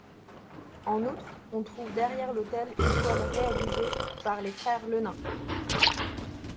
En outre, on trouve derrière l'autel une toile réalisée par les Frères Le Nain.